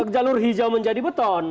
jalur hijau menjadi beton